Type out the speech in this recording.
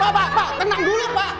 bapak tenang dulu pak